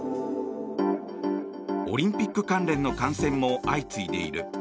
オリンピック関連の感染も相次いでいる。